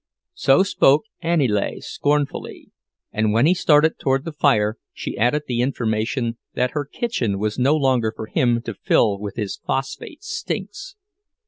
So spoke Aniele, scornfully, and when he started toward the fire she added the information that her kitchen was no longer for him to fill with his phosphate stinks.